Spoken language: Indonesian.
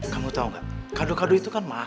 kamu tau gak kado kado itu kan mahal